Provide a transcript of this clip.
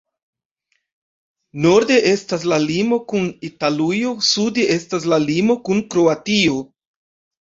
Norde estas la limo kun Italujo, sude estas la limo kun Kroatio.